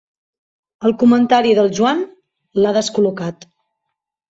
El comentari del Joan l'ha descol·locat.